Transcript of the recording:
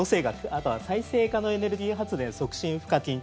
あとは再生可能エネルギー発電促進賦課金